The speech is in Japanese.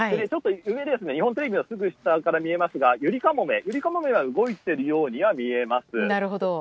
日本テレビのすぐ下から見えますがゆりかもめは動いているようには見えます。